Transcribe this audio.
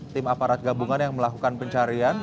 tim aparat gabungan yang melakukan pencarian